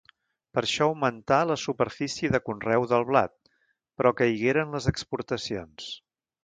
Per això augmentà la superfície de conreu del blat, però caigueren les exportacions.